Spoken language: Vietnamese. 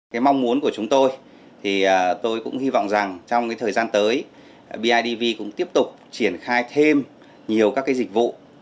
cái mong muốn của chúng tôi thì tôi cũng hy vọng rằng trong thời gian tới bidv cũng tiếp tục triển khai thêm nhiều các cái dịch vụ